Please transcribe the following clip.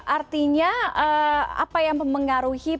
artinya apa yang mengaruhi penyebaran